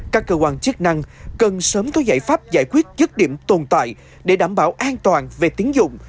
các cơ quan chức năng cần sớm có giải pháp giải quyết dứt điểm tồn tại để đảm bảo an toàn về tín dụng